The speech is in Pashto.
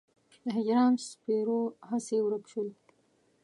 د هجران سپرو هسې ورک شول.